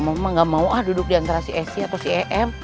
mama gak mau ah duduk diantara si sc atau si em